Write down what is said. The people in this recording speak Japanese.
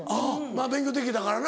まぁ勉強できてたからな。